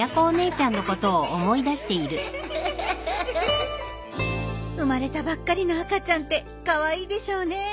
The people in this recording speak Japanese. ウフフフアハハハ生まれたばっかりの赤ちゃんってカワイイでしょうね。